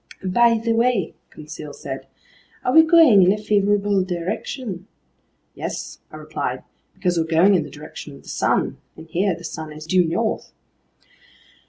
"By the way," Conseil said, "are we going in a favorable direction?" "Yes," I replied, "because we're going in the direction of the sun, and here the sun is due north."